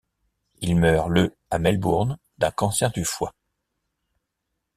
Il meurt le à Melbourne, d'un cancer du foie.